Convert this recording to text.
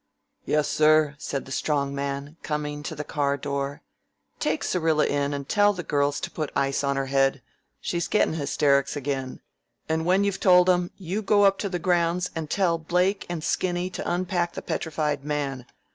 "Yes, sir?" said the Strong Man, coming to the car door. "Take Syrilla in and tell the girls to put ice on her head. She's gettin' hysterics again. And when you've told 'em, you go up to the grounds and tell Blake and Skinny to unpack the Petrified Man.